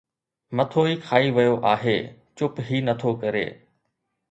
مٿو ئي کائي ويو آهي چپ هي نٿو ڪري